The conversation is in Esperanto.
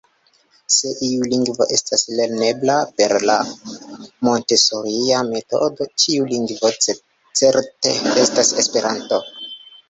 Se iu lingvo estas lernebla per la Montesoria metodo, tiu lingvo certe estas Esperanto.